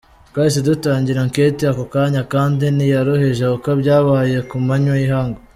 Twahise dutangira enquête ako kanya kandi ntiyaruhije kuko byabaye ku manywa y’ihangu.